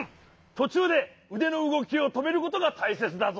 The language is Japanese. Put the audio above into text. とちゅうでうでのうごきをとめることがたいせつだぞ。